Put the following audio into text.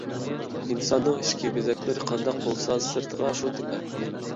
ئىنساننىڭ ئىچكى بېزەكلىرى قانداق بولسا سىرتىغا شۇ تېپەر.